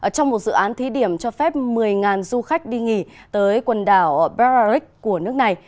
trong một dự án thí điểm cho phép một mươi du khách đi nghỉ tới quần đảo berarrik của nước này